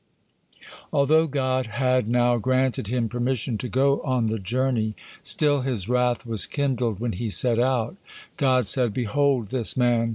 Although God had now granted him permission to go on the journey, still His wrath was kindled when he set out. God said, "Behold, this man!